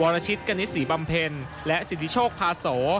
รชิตกณิตศรีบำเพ็ญและสิทธิโชคพาโส